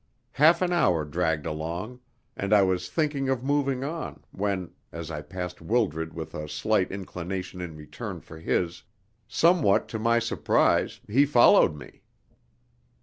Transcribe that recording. Half an hour dragged along, and I was thinking of moving on, when, as I passed Wildred with a slight inclination in return for his, somewhat to my surprise he followed me.